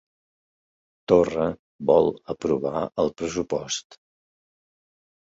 Torra vol aprovar el pressupost